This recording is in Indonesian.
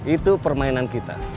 itu permainan kita